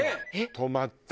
止まった。